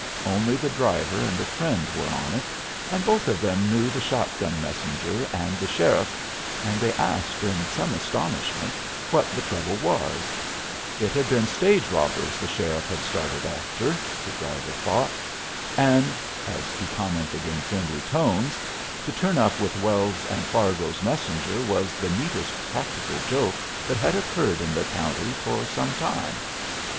Only the driver and a friend were on it, and both of them knew the shot gun messenger and the sheriff, and they asked in some astonishment what the trouble was. It had been stage robbers the sheriff had started after, the driver thought. And as he commented in friendly tones to turn up with Wells and Fargo's messenger was the neatest practical joke that had occurred in the county for some time.